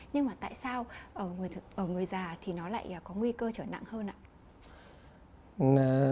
nhưng mà tại sao người già thì nó lại có nguy cơ trở nặng hơn ạ